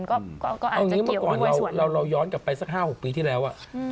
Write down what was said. ก็อาจจะเกี่ยวกับบริษัทส่วนหนึ่งอันนี้เมื่อก่อนเราย้อนกลับไป๕๖ปีที่แล้ว